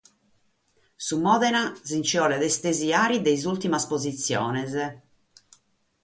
Su Modena si nche cheret istesiare dae sas ùrtimas positziones.